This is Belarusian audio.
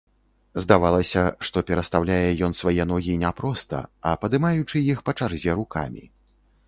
Здавалася, што перастаўляе ён свае ногі не проста, а падымаючы іх па чарзе рукамі.